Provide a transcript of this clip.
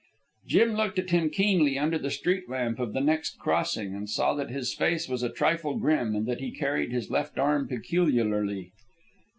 Jim looked at him keenly under the street lamp of the next crossing, and saw that his face was a trifle grim and that he carried his left arm peculiarly.